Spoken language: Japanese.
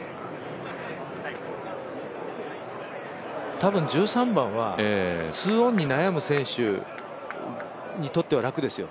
多分１３番は２オンに悩む選手にとっては楽ですよ。